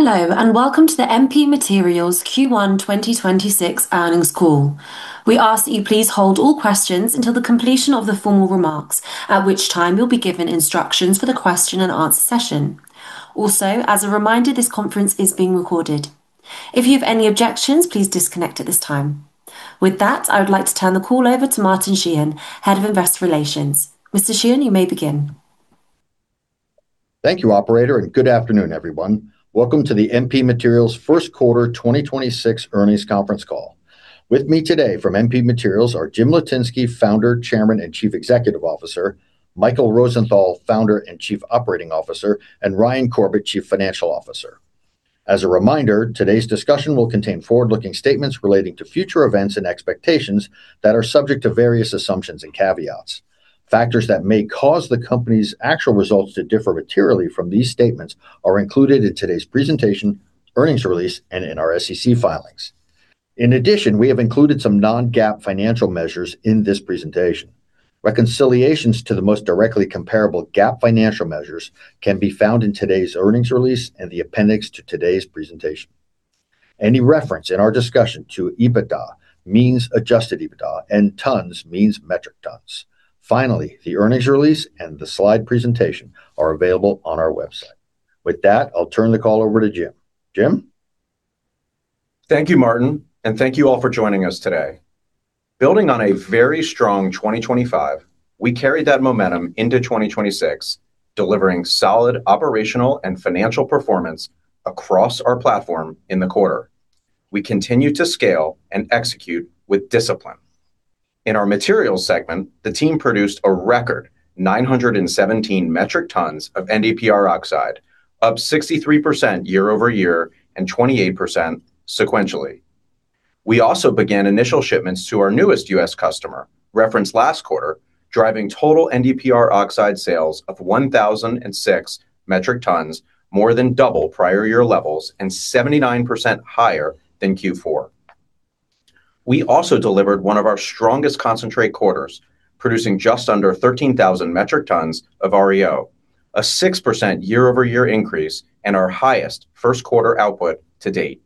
Hello, welcome to the MP Materials Q1 2026 earnings call. We ask that you please hold all questions until the completion of the formal remarks, at which time you'll be given instructions for the question and answer session. As a reminder, this conference is being recorded. If you have any objections, please disconnect at this time. With that, I would like to turn the call over to Martin Sheehan, Head of Investor Relations. Mr. Sheehan, you may begin. Thank you, operator, and good afternoon, everyone. Welcome to the MP Materials first quarter 2026 earnings conference call. With me today from MP Materials are Jim Litinsky, Founder, Chairman, and Chief Executive Officer, Michael Rosenthal, Founder and Chief Operating Officer, and Ryan Corbett, Chief Financial Officer. As a reminder, today's discussion will contain forward-looking statements relating to future events and expectations that are subject to various assumptions and caveats. Factors that may cause the company's actual results to differ materially from these statements are included in today's presentation, earnings release, and in our SEC filings. In addition, we have included some non-GAAP financial measures in this presentation. Reconciliations to the most directly comparable GAAP financial measures can be found in today's earnings release and the appendix to today's presentation. Any reference in our discussion to EBITDA means adjusted EBITDA and tons means metric tons. Finally, the earnings release and the slide presentation are available on our website. With that, I'll turn the call over to Jim. Jim? Thank you, Martin, and thank you all for joining us today. Building on a very strong 2025, we carried that momentum into 2026, delivering solid operational and financial performance across our platform in the quarter. We continue to scale and execute with discipline. In our materials segment, the team produced a record 917 metric tons of NdPr oxide, up 63% year-over-year and 28% sequentially. We also began initial shipments to our newest U.S. customer, referenced last quarter, driving total NdPr oxide sales of 1,006 metric tons, more than double prior year levels and 79% higher than Q4. We also delivered one of our strongest concentrate quarters, producing just under 13,000 metric tons of REO, a 6% year-over-year increase and our highest first quarter output to date.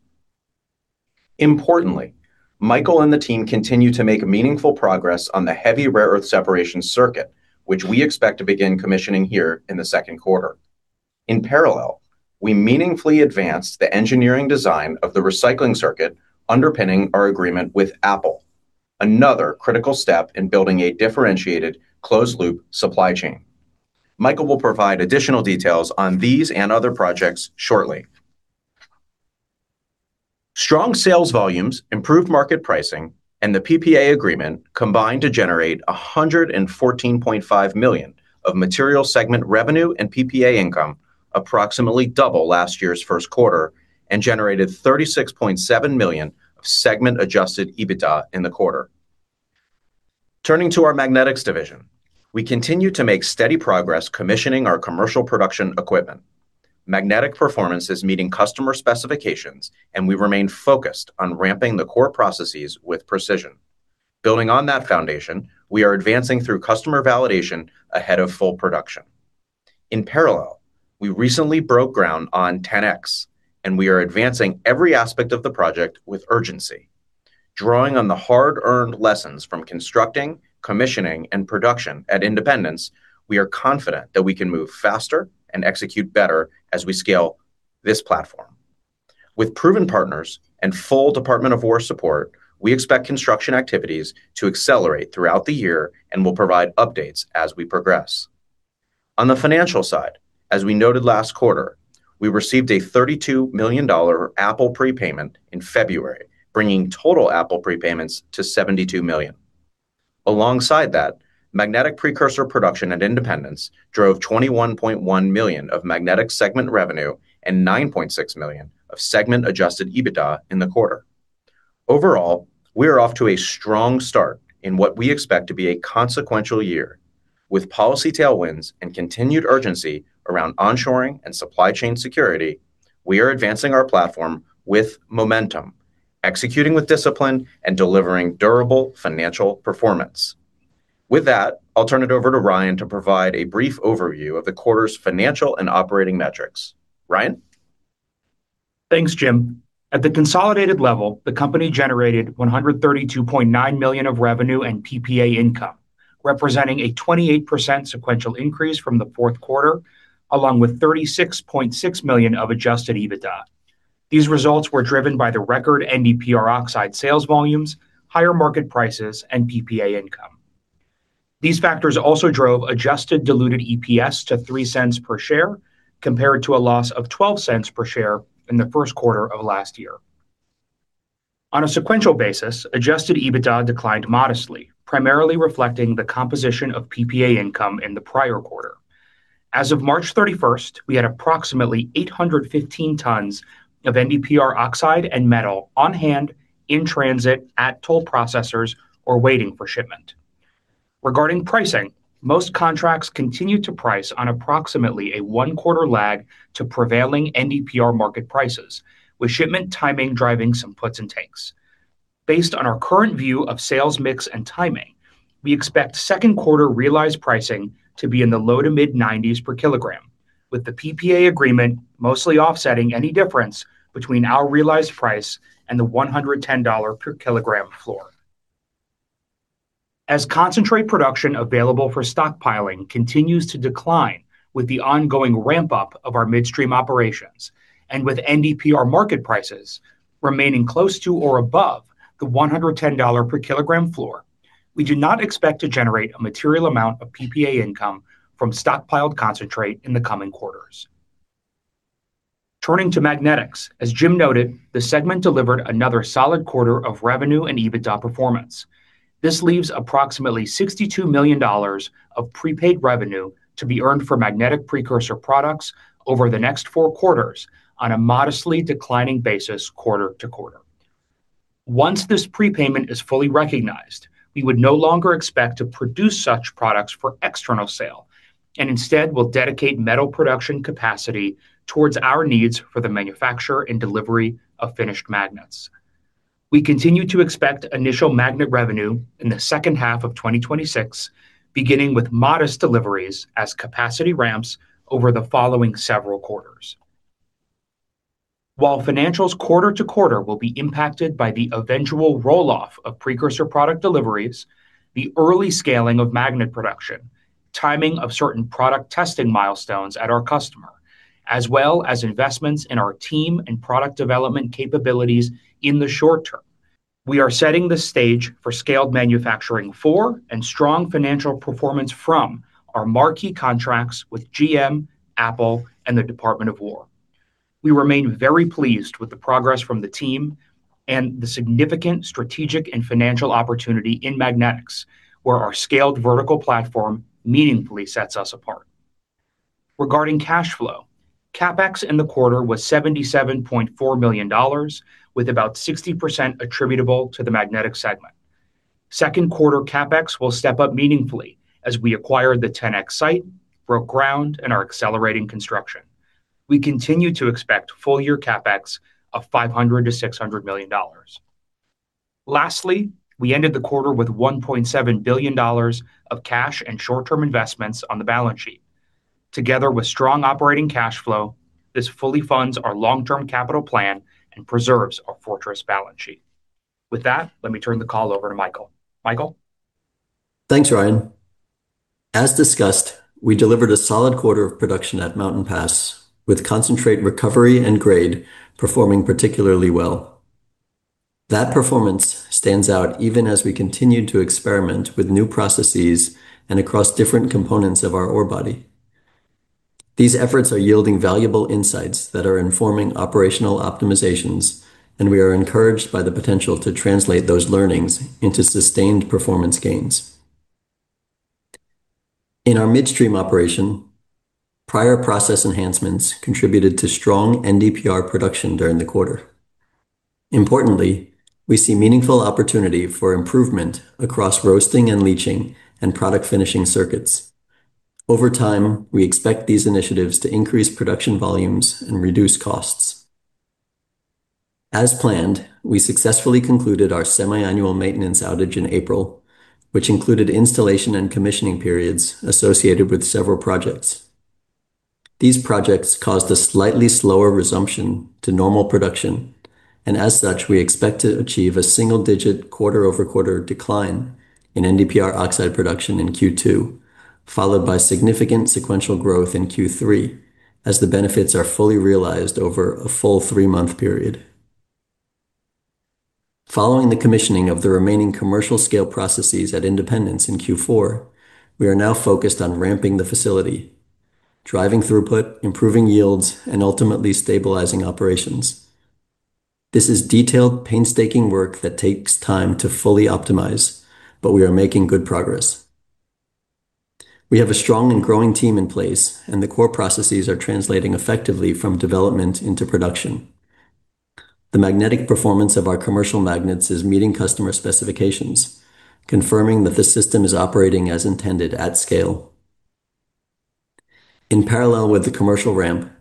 Importantly, Michael and the team continue to make meaningful progress on the heavy rare earth separation circuit, which we expect to begin commissioning here in the second quarter. In parallel, we meaningfully advanced the engineering design of the recycling circuit underpinning our agreement with Apple, another critical step in building a differentiated closed loop supply chain. Michael will provide additional details on these and other projects shortly. Strong sales volumes, improved market pricing, and the PPA agreement combined to generate $114.5 million of material segment revenue and PPA income, approximately double last year's first quarter, and generated $36.7 million of segment adjusted EBITDA in the quarter. Turning to our magnetics division, we continue to make steady progress commissioning our commercial production equipment. Magnetic performance is meeting customer specifications, and we remain focused on ramping the core processes with precision. Building on that foundation, we are advancing through customer validation ahead of full production. In parallel, we recently broke ground on 10X, and we are advancing every aspect of the project with urgency. Drawing on the hard-earned lessons from constructing, commissioning, and production at Independence, we are confident that we can move faster and execute better as we scale this platform. With proven partners and full Department of War support, we expect construction activities to accelerate throughout the year and will provide updates as we progress. On the financial side, as we noted last quarter, we received a $32 million Apple prepayment in February, bringing total Apple prepayments to $72 million. Alongside that, magnetic precursor production at Independence drove $21.1 million of magnetic segment revenue and $9.6 million of segment adjusted EBITDA in the quarter. Overall, we are off to a strong start in what we expect to be a consequential year. With policy tailwinds and continued urgency around onshoring and supply chain security, we are advancing our platform with momentum, executing with discipline, and delivering durable financial performance. With that, I'll turn it over to Ryan to provide a brief overview of the quarter's financial and operating metrics. Ryan? Thanks, Jim. At the consolidated level, the company generated $132.9 million of revenue and PPA income, representing a 28% sequential increase from the fourth quarter, along with $36.6 million of adjusted EBITDA. These results were driven by the record NdPr oxide sales volumes, higher market prices, and PPA income. These factors also drove adjusted diluted EPS to $0.03 per share, compared to a loss of $0.12 per share in the first quarter of last year. On a sequential basis, adjusted EBITDA declined modestly, primarily reflecting the composition of PPA income in the prior quarter. As of March 31st, we had approximately 815 tons of NdPr oxide and metal on hand, in transit, at toll processors, or waiting for shipment. Regarding pricing, most contracts continue to price on approximately a one-quarter lag to prevailing NdPr market prices, with shipment timing driving some puts and takes. Based on our current view of sales mix and timing, we expect second quarter realized pricing to be in the low to mid-90s per kilogram, with the PPA agreement mostly offsetting any difference between our realized price and the $110 per kilogram floor. As concentrate production available for stockpiling continues to decline with the ongoing ramp-up of our midstream operations and with NdPr market prices remaining close to or above the $110 per kilogram floor, we do not expect to generate a material amount of PPA income from stockpiled concentrate in the coming quarters. Turning to magnetics, as Jim noted, the segment delivered another solid quarter of revenue and EBITDA performance. This leaves approximately $62 million of prepaid revenue to be earned for magnetic precursor products over the next four quarters on a modestly declining basis quarter-to-quarter. Once this prepayment is fully recognized, we would no longer expect to produce such products for external sale and instead will dedicate metal production capacity towards our needs for the manufacture and delivery of finished magnets. We continue to expect initial magnet revenue in the second half of 2026, beginning with modest deliveries as capacity ramps over the following several quarters. While financials quarter-to-quarter will be impacted by the eventual roll-off of precursor product deliveries, the early scaling of magnet production, timing of certain product testing milestones at our customer, as well as investments in our team and product development capabilities in the short term, we are setting the stage for scaled manufacturing for and strong financial performance from our marquee contracts with GM, Apple, and the Department of War. We remain very pleased with the progress from the team and the significant strategic and financial opportunity in magnetics, where our scaled vertical platform meaningfully sets us apart. Regarding cash flow, CapEx in the quarter was $77.4 million, with about 60% attributable to the magnetic segment. Second quarter CapEx will step up meaningfully as we acquire the 10X site, broke ground, and are accelerating construction. We continue to expect full-year CapEx of $500 million-$600 million. Lastly, we ended the quarter with $1.7 billion of cash and short-term investments on the balance sheet. Together with strong operating cash flow, this fully funds our long-term capital plan and preserves our fortress balance sheet. With that, let me turn the call over to Michael. Michael? Thanks, Ryan. As discussed, we delivered a solid quarter of production at Mountain Pass, with concentrate recovery and grade performing particularly well. That performance stands out even as we continued to experiment with new processes and across different components of our ore body. These efforts are yielding valuable insights that are informing operational optimizations. We are encouraged by the potential to translate those learnings into sustained performance gains. In our midstream operation, prior process enhancements contributed to strong NdPr production during the quarter. Importantly, we see meaningful opportunity for improvement across roasting and leaching and product finishing circuits. Over time, we expect these initiatives to increase production volumes and reduce costs. As planned, we successfully concluded our semi-annual maintenance outage in April, which included installation and commissioning periods associated with several projects. These projects caused a slightly slower resumption to normal production. As such, we expect to achieve a single-digit quarter-over-quarter decline in NdPr oxide production in Q2, followed by significant sequential growth in Q3 as the benefits are fully realized over a full three-month period. Following the commissioning of the remaining commercial-scale processes at Independence in Q4, we are now focused on ramping the facility, driving throughput, improving yields, and ultimately stabilizing operations. This is detailed, painstaking work that takes time to fully optimize. We are making good progress. We have a strong and growing team in place. The core processes are translating effectively from development into production. The magnetic performance of our commercial magnets is meeting customer specifications, confirming that the system is operating as intended at scale. In parallel with the commercial ramp,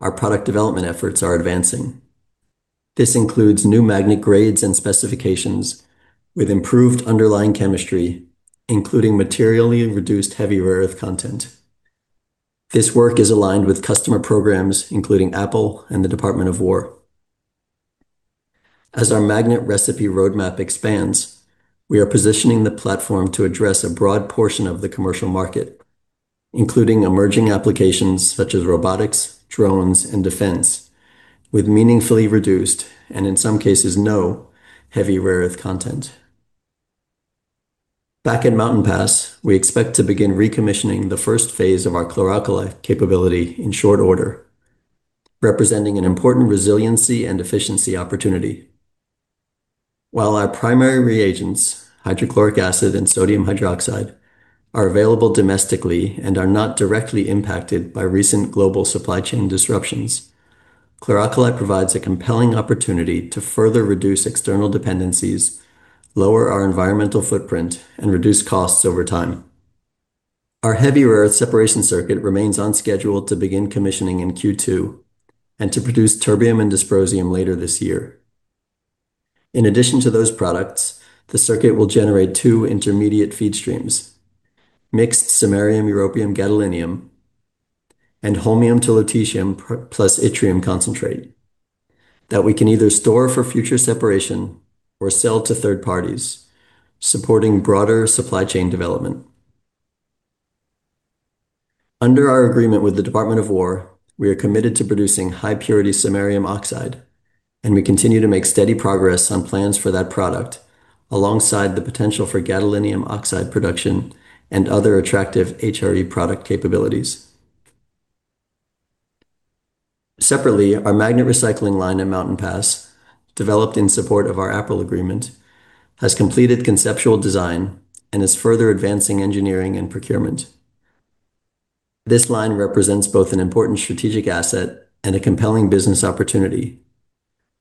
our product development efforts are advancing. This includes new magnet grades and specifications with improved underlying chemistry, including materially reduced heavy rare earth content. This work is aligned with customer programs, including Apple and the Department of War. As our magnet recipe roadmap expands, we are positioning the platform to address a broad portion of the commercial market, including emerging applications such as robotics, drones, and defense, with meaningfully reduced, and in some cases no, heavy rare earth content. Back at Mountain Pass, we expect to begin recommissioning the first phase of our chloralkali capability in short order, representing an important resiliency and efficiency opportunity. While our primary reagents, hydrochloric acid and sodium hydroxide, are available domestically and are not directly impacted by recent global supply chain disruptions, chloralkali provides a compelling opportunity to further reduce external dependencies, lower our environmental footprint, and reduce costs over time. Our heavy rare earth separation circuit remains on schedule to begin commissioning in Q2 and to produce terbium and dysprosium later this year. In addition to those products, the circuit will generate two intermediate feed streams, mixed samarium, europium, gadolinium, and holmium to lutetium plus yttrium concentrate that we can either store for future separation or sell to third parties, supporting broader supply chain development. Under our agreement with the Department of War, we are committed to producing high purity samarium oxide, and we continue to make steady progress on plans for that product alongside the potential for gadolinium oxide production and other attractive HRE product capabilities. Separately, our magnet recycling line at Mountain Pass, developed in support of our Apple agreement, has completed conceptual design and is further advancing engineering and procurement. This line represents both an important strategic asset and a compelling business opportunity,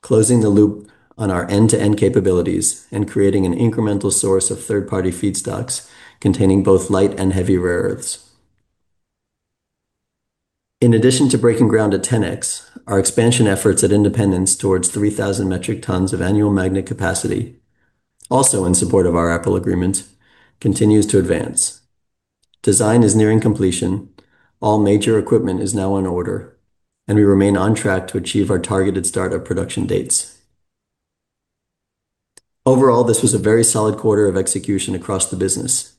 closing the loop on our end-to-end capabilities and creating an incremental source of third-party feedstocks containing both light and heavy rare earths. In addition to breaking ground at 10X, our expansion efforts at Independence towards 3,000 metric tons of annual magnet capacity, also in support of our Apple agreement, continues to advance. Design is nearing completion. All major equipment is now in order, and we remain on track to achieve our targeted start-up production dates. Overall, this was a very solid quarter of execution across the business.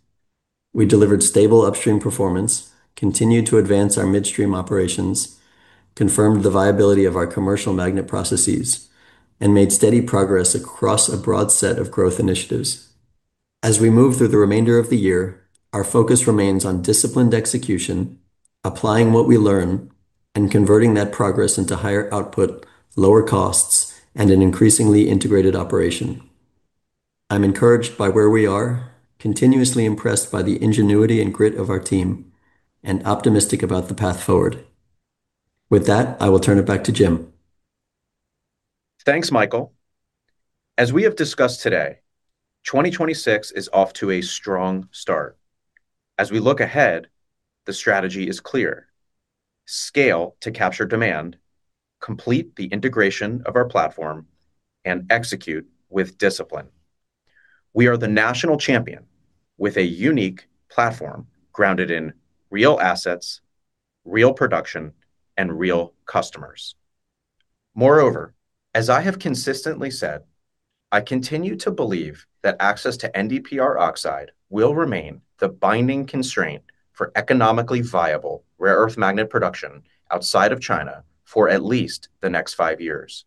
We delivered stable upstream performance, continued to advance our midstream operations, confirmed the viability of our commercial magnet processes, and made steady progress across a broad set of growth initiatives. As we move through the remainder of the year, our focus remains on disciplined execution, applying what we learn, and converting that progress into higher output, lower costs, and an increasingly integrated operation. I'm encouraged by where we are, continuously impressed by the ingenuity and grit of our team, and optimistic about the path forward. With that, I will turn it back to Jim. Thanks, Michael. As we have discussed today, 2026 is off to a strong start. As we look ahead, the strategy is clear. Scale to capture demand, complete the integration of our platform, and execute with discipline. We are the national champion with a unique platform grounded in real assets, real production, and real customers. Moreover, as I have consistently said, I continue to believe that access to NdPr oxide will remain the binding constraint for economically viable rare earth magnet production outside of China for at least the next five years.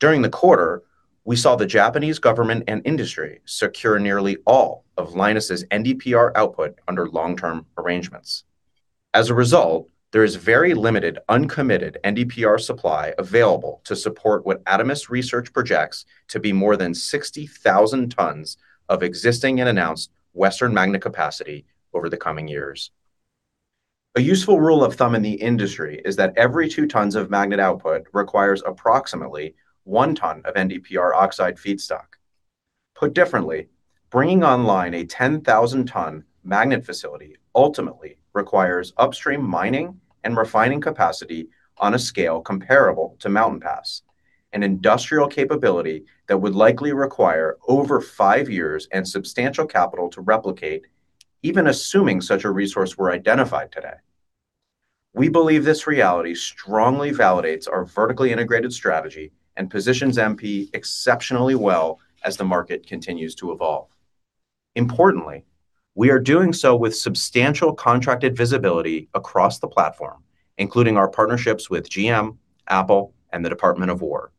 During the quarter, we saw the Japanese government and industry secure nearly all of Lynas' NdPr output under long-term arrangements. As a result, there is very limited uncommitted NdPr supply available to support what Adamas Intelligence projects to be more than 60,000 tons of existing and announced Western magnet capacity over the coming years. A useful rule of thumb in the industry is that every 2 tons of magnet output requires approximately 1 ton of NdPr oxide feedstock. Put differently, bringing online a 10,000 ton magnet facility ultimately requires upstream mining and refining capacity on a scale comparable to Mountain Pass, an industrial capability that would likely require over five years and substantial capital to replicate, even assuming such a resource were identified today. We believe this reality strongly validates our vertically integrated strategy and positions MP exceptionally well as the market continues to evolve. Importantly, we are doing so with substantial contracted visibility across the platform, including our partnerships with GM, Apple, and the Department of War.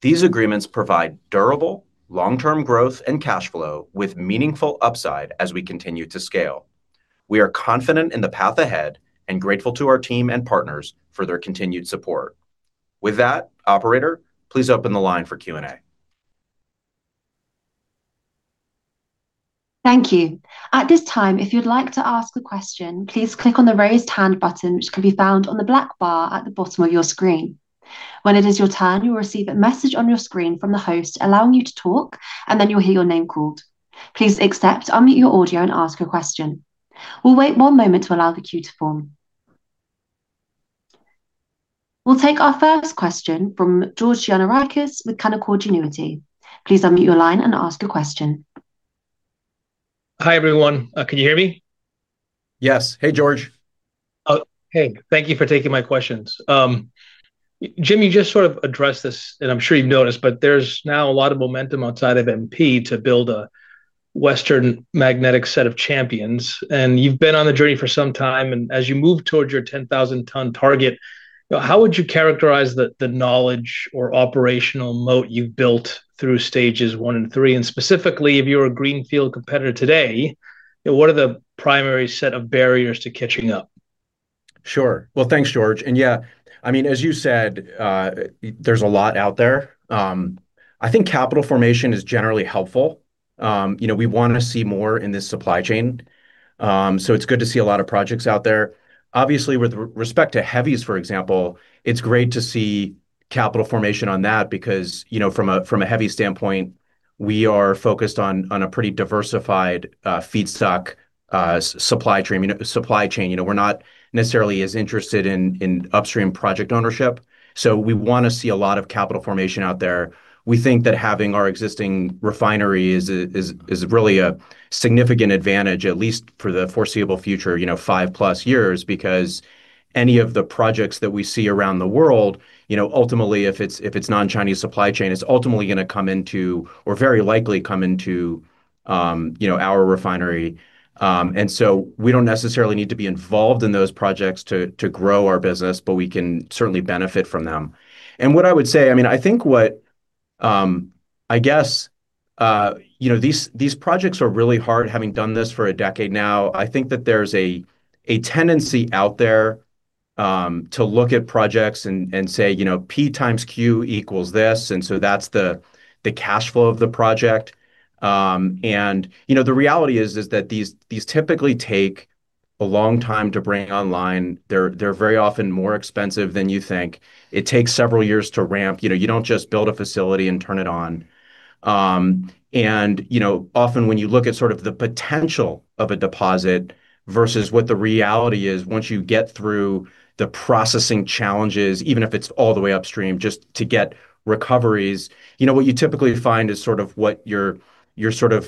These agreements provide durable, long-term growth and cash flow with meaningful upside as we continue to scale. We are confident in the path ahead and grateful to our team and partners for their continued support. With that, operator, please open the line for Q&A. Thank you. We'll take our first question from George Gianarikas with Canaccord Genuity. Please unmute your line and ask a question. Hi, everyone. Can you hear me? Yes. Hey, George. Oh, hey. Thank you for taking my questions. Jim, you just sort of addressed this, and I'm sure you've noticed, but there's now a lot of momentum outside of MP to build a Western magnetic set of champions, and you've been on the journey for some time. As you move towards your 10,000 ton target, how would you characterize the knowledge or operational moat you've built through stages one and three? Specifically, if you're a greenfield competitor today, what are the primary set of barriers to catching up? Sure. Well, thanks, George. Yeah, I mean, as you said, there's a lot out there. I think capital formation is generally helpful. You know, we wanna see more in this supply chain, so it's good to see a lot of projects out there. Obviously, with respect to heavies, for example, it's great to see capital formation on that because, you know, from a heavy standpoint We are focused on a pretty diversified feedstock, you know, supply chain. You know, we're not necessarily as interested in upstream project ownership. We wanna see a lot of capital formation out there. We think that having our existing refinery is really a significant advantage, at least for the foreseeable future, you know, 5+ years. Any of the projects that we see around the world, you know, ultimately if it's non-Chinese supply chain, it's ultimately gonna come into or very likely come into, you know, our refinery. We don't necessarily need to be involved in those projects to grow our business, but we can certainly benefit from them. What I would say, I mean, I think what I guess, you know, these projects are really hard having done this for a decade now. I think that there's a tendency out there to look at projects and say, you know, P times Q equals this, that's the cash flow of the project. You know, the reality is that these typically take a long time to bring online. They're very often more expensive than you think. It takes several years to ramp. You know, you don't just build a facility and turn it on. You know, often when you look at sort of the potential of a deposit versus what the reality is once you get through the processing challenges, even if it's all the way upstream just to get recoveries, you know, what you typically find is sort of what your sort of,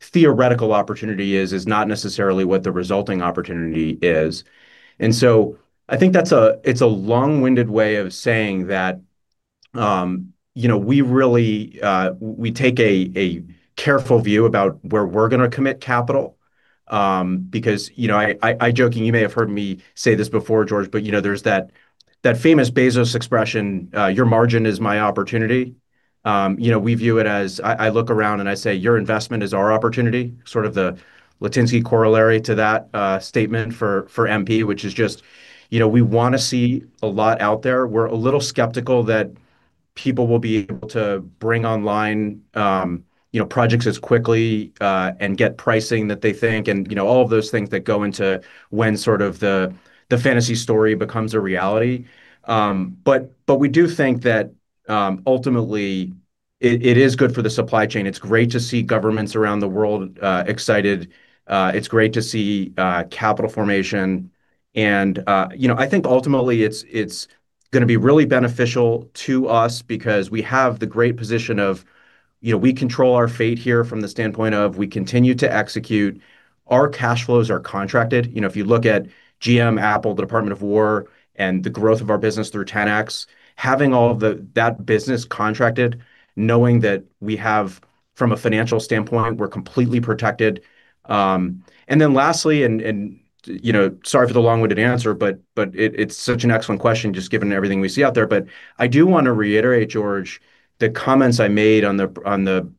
theoretical opportunity is not necessarily what the resulting opportunity is. I think that's a long-winded way of saying that, you know, we really, we take a careful view about where we're gonna commit capital. Because, you know, I joking, you may have heard me say this before, George, but, you know, there's that famous Bezos expression, "Your margin is my opportunity." You know, we view it as I look around and I say, "Your investment is our opportunity," sort of the Litinsky corollary to that statement for MP, which is just, you know, we wanna see a lot out there. We're a little skeptical that people will be able to bring online, you know, projects as quickly and get pricing that they think and, you know, all of those things that go into when sort of the fantasy story becomes a reality. But we do think that ultimately it is good for the supply chain. It's great to see governments around the world excited. It's great to see capital formation and, you know, I think ultimately it's gonna be really beneficial to us because we have the great position of, you know, we control our fate here from the standpoint of we continue to execute. Our cash flows are contracted. You know, if you look at GM, Apple, the Department of War, and the growth of our business through 10X, having all that business contracted, knowing that we have from a financial standpoint, we're completely protected. Then lastly, and, you know, sorry for the long-winded answer, but it's such an excellent question just given everything we see out there. I do wanna reiterate, George, the comments I made on the,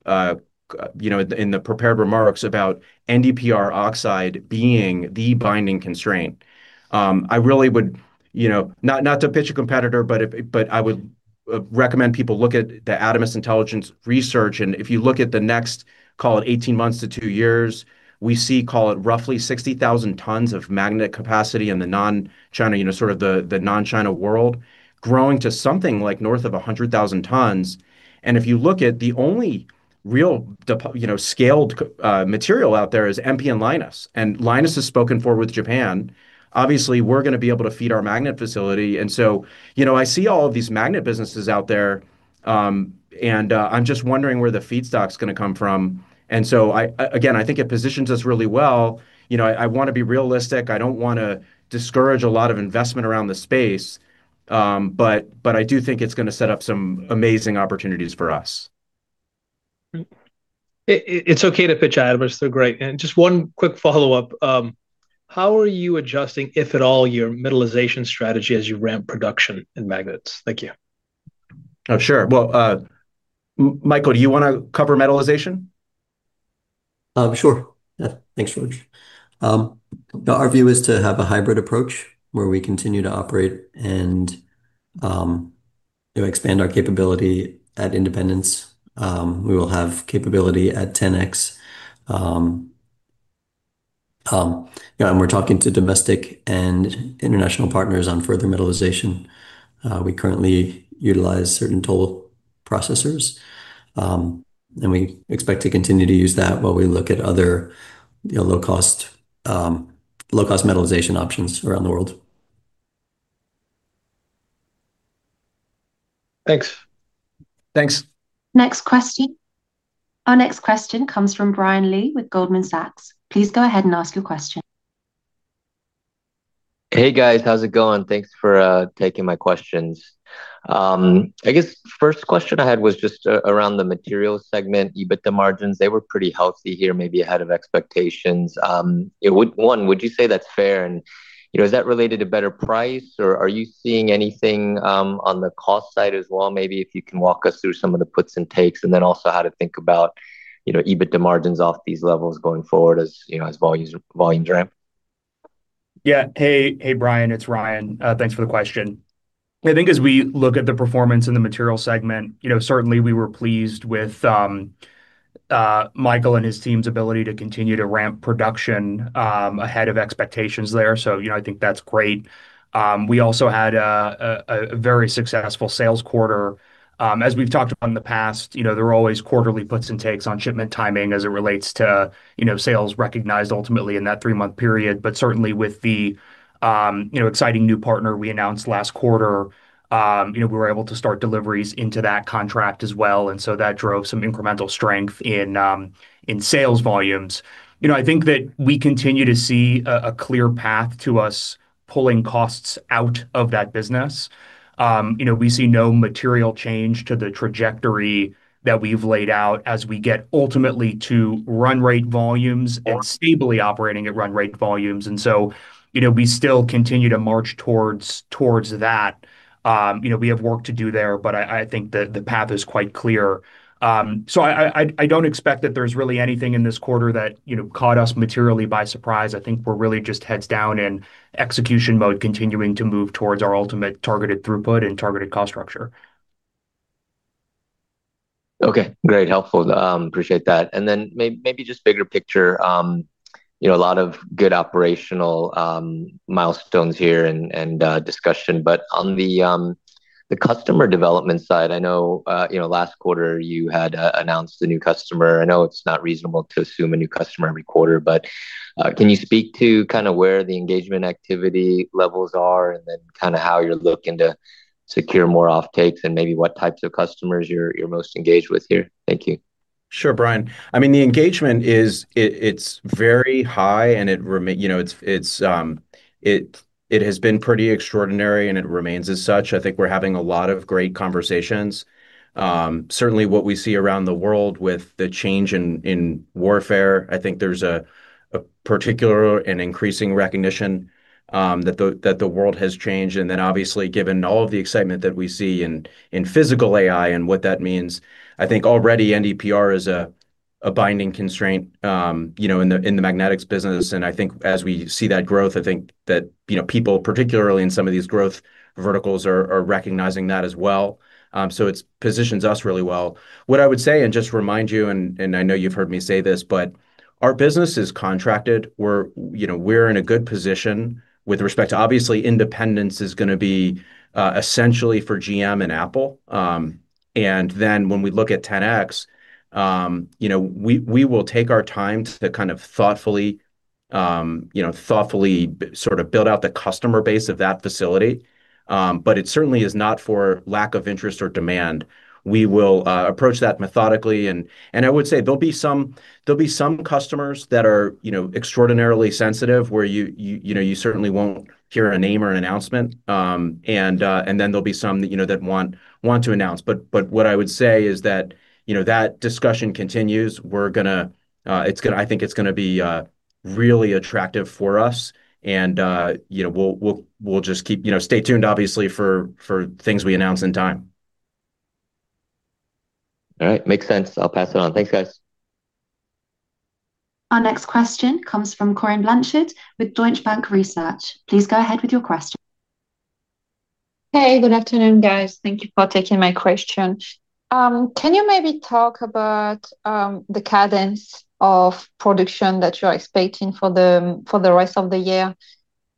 you know, in the prepared remarks about NdPr oxide being the binding constraint. I really would, you know, not to pitch a competitor, but I would recommend people look at the Adamas Intelligence research. If you look at the next, call it 18 months to two years, we see, call it, roughly 60,000 tons of magnet capacity in the non-China, you know, sort of the non-China world growing to something like north of 100,000 tons. If you look at the only real, you know, scaled material out there is MP and Lynas, and Lynas has spoken for with Japan. Obviously, we're gonna be able to feed our magnet facility. You know, I see all of these magnet businesses out there, and I'm just wondering where the feedstock's gonna come from. I, again, I think it positions us really well. You know, I wanna be realistic. I don't wanna discourage a lot of investment around the space. I do think it's gonna set up some amazing opportunities for us. It's okay to pitch Adamas. They're great. Just one quick follow-up. How are you adjusting, if at all, your metallization strategy as you ramp production in magnets? Thank you. Oh, sure. Well, Michael, do you wanna cover metallization? Sure. Yeah. Thanks, George. Our view is to have a hybrid approach where we continue to operate and, you know, expand our capability at Independence. We will have capability at 10X. You know, and we're talking to domestic and international partners on further metallization. We currently utilize certain toll processors, and we expect to continue to use that while we look at other, you know, low-cost, low-cost metallization options around the world. Thanks. Thanks. Next question. Our next question comes from Brian Lee with Goldman Sachs. Please go ahead and ask your question. Hey, guys. How's it going? Thanks for taking my questions. I guess first question I had was just around the materials segment, EBITDA margins. They were pretty healthy here, maybe ahead of expectations. One, would you say that's fair? You know, is that related to better price, or are you seeing anything on the cost side as well? Maybe if you can walk us through some of the puts and takes, and then also how to think about, you know, EBITDA margins off these levels going forward as, you know, as volumes ramp. Yeah. Hey, Brian. It's Ryan. Thanks for the question. I think as we look at the performance in the material segment, you know, certainly we were pleased with Michael and his team's ability to continue to ramp production ahead of expectations there. You know, I think that's great. We also had a very successful sales quarter. As we've talked about in the past, you know, there are always quarterly puts and takes on shipment timing as it relates to, you know, sales recognized ultimately in that three-month period. Certainly with the, you know, exciting new partner we announced last quarter, you know, we were able to start deliveries into that contract as well. That drove some incremental strength in sales volumes. You know, I think that we continue to see a clear path to us pulling costs out of that business. You know, we see no material change to the trajectory that we've laid out as we get ultimately to run rate volumes and stably operating at run rate volumes. You know, we still continue to march towards that. You know, we have work to do there, but I think the path is quite clear. I, I don't expect that there's really anything in this quarter that, you know, caught us materially by surprise. I think we're really just heads down in execution mode, continuing to move towards our ultimate targeted throughput and targeted cost structure. Okay. Great. Helpful. Appreciate that. Maybe just bigger picture, you know, a lot of good operational milestones here and discussion. On the customer development side, I know, you know, last quarter you had announced a new customer. I know it's not reasonable to assume a new customer every quarter. Can you speak to kind of where the engagement activity levels are and then kind of how you're looking to secure more off takes and maybe what types of customers you're most engaged with here? Thank you. Sure, Brian. I mean, the engagement is very high and it remains, you know, it has been pretty extraordinary and it remains as such. I think we're having a lot of great conversations. Certainly what we see around the world with the change in warfare, I think there's a particular and increasing recognition that the world has changed. Then obviously, given all of the excitement that we see in physical AI and what that means, I think already NdPr is a binding constraint, you know, in the magnetics business. I think as we see that growth, I think that, you know, people, particularly in some of these growth verticals, are recognizing that as well. So it positions us really well. What I would say, and just remind you, I know you've heard me say this, but our business is contracted. You know, we're in a good position with respect to obviously Independence is gonna be essentially for GM and Apple. Then when we look at 10X, you know, we will take our time to kind of thoughtfully, you know, thoughtfully sort of build out the customer base of that facility. It certainly is not for lack of interest or demand. We will approach that methodically and I would say there'll be some customers that are, you know, extraordinarily sensitive where you know, you certainly won't hear a name or an announcement. Then there'll be some that, you know, that want to announce. What I would say is that, you know, that discussion continues. We're gonna, I think it's gonna be really attractive for us and, you know, we'll just keep You know, stay tuned obviously for things we announce in time. All right. Makes sense. I'll pass it on. Thanks, guys. Our next question comes from Corinne Blanchard with Deutsche Bank Research. Please go ahead with your question. Hey, good afternoon, guys. Thank you for taking my question. Can you maybe talk about the cadence of production that you're expecting for the rest of the year?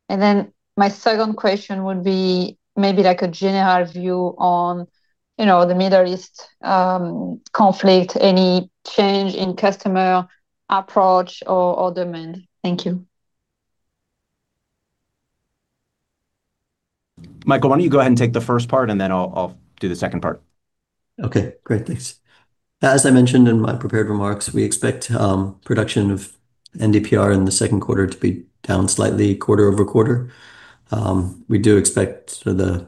My second question would be maybe like a general view on, you know, the Middle East conflict, any change in customer approach or demand. Thank you. Michael, why don't you go ahead and take the first part, and then I'll do the second part. Okay, great. Thanks. As I mentioned in my prepared remarks, we expect production of NdPr in the second quarter to be down slightly quarter-over-quarter. We do expect the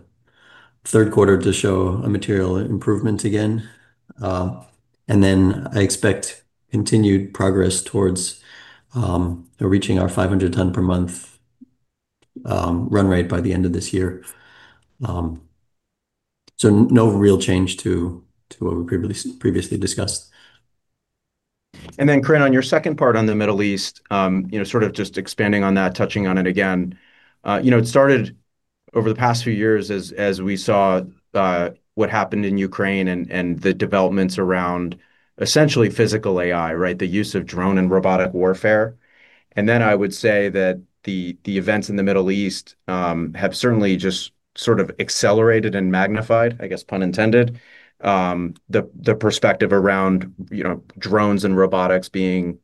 third quarter to show a material improvement again. Then I expect continued progress towards reaching our 500 ton per month run rate by the end of this year. No real change to what we previously discussed. Corinne, on your second part on the Middle East, you know, sort of just expanding on that, touching on it again. You know, it started over the past few years as we saw, what happened in Ukraine and the developments around essentially physical AI, right? The use of drone and robotic warfare. I would say that the events in the Middle East, have certainly just sort of accelerated and magnified, I guess, pun intended, the perspective around, you know, drones and robotics being,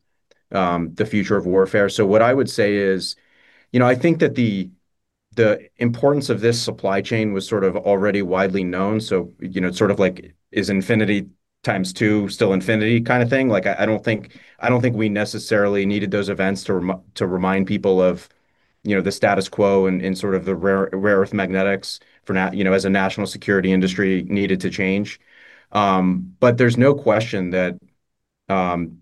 the future of warfare. What I would say is, you know, I think that the importance of this supply chain was sort of already widely known. You know, it's sort of like, is infinity times two still infinity kind of thing. Like, I don't think we necessarily needed those events to remind people of, you know, the status quo and sort of the rare earth magnetics for, you know, as a national security industry needed to change. There's no question that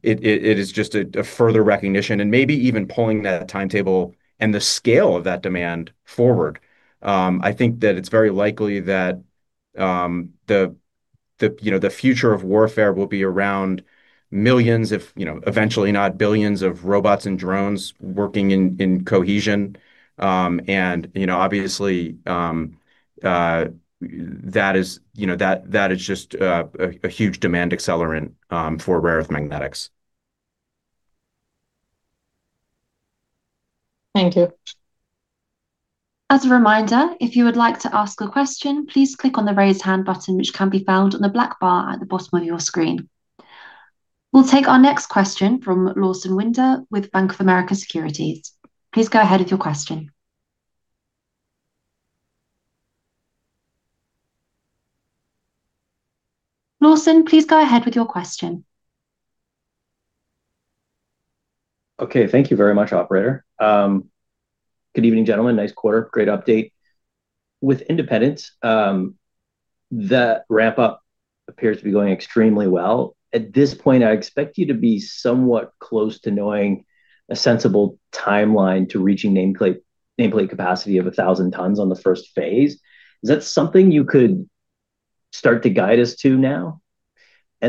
it is just a further recognition and maybe even pulling that timetable and the scale of that demand forward. I think that it's very likely that, you know, the future of warfare will be around millions if, you know, eventually not billions of robots and drones working in cohesion. You know, obviously, that is, you know, that is just a huge demand accelerant for rare earth magnetics. Thank you. As a reminder, if you would like to ask a question, please click on the Raise Hand button, which can be found on the black bar at the bottom of your screen. We'll take our next question from Lawson Winder with Bank of America Securities. Please go ahead with your question. Okay. Thank you very much, operator. Good evening, gentlemen. Nice quarter. Great update. With Independence, the wrap-up appears to be going extremely well. At this point, I expect you to be somewhat close to knowing a sensible timeline to reaching nameplate capacity of 1,000 tons on the 1st phase. Is that something you could start to guide us to now? I